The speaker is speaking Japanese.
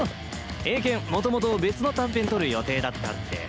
映研もともと別の短編撮る予定だったって。